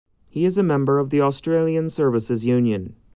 He is a member of the Australian Services Union.